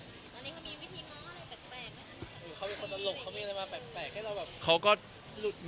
อันนี้เขามีวิธีง่อนแปลกไม่รู้ว่าเขาจะหลบเขามีอะไรมาแปลกให้เราแบบ